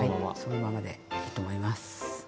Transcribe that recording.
はいそのままでいいと思います。